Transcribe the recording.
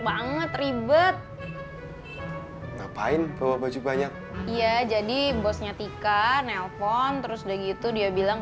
banget ribet ngapain bawa baju banyak iya jadi bosnya tika nelpon terus udah gitu dia bilang